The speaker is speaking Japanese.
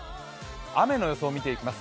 雨の予想を見ていきます。